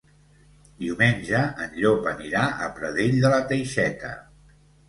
Diumenge en Llop anirà a Pradell de la Teixeta.